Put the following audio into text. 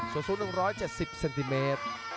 ส่วนสู้หนึ่งร้อยเจ็ดสิบเซนติเมตร